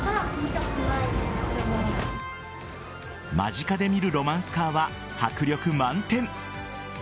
間近で見るロマンスカーは迫力満点。